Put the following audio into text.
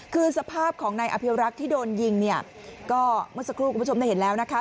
คือสภาพของนายอภิวรักษ์ที่โดนยิงเนี่ยก็เมื่อสักครู่คุณผู้ชมได้เห็นแล้วนะคะ